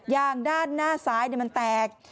ยางด้านหน้าซ้ายมันแตก